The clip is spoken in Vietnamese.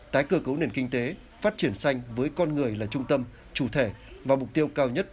tái cơ cấu nền kinh tế phát triển xanh với con người là trung tâm chủ thể và mục tiêu cao nhất